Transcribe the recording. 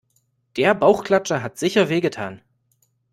Der Bauchklatscher hat sicher wehgetan.